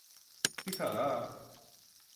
Τι χαρά!